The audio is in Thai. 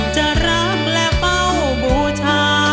จะรักและเป้าบูชา